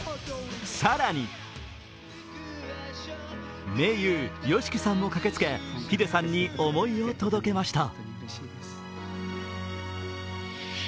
さらに、盟友・ＹＯＳＨＩＫＩさんも駆けつけ、ｈｉｄｅさんに思いを届けました。